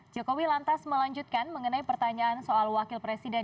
jokowi lantas melanjutkan mengenai pertanyaan soal wakil presiden